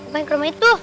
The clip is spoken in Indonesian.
mau ke rumah itu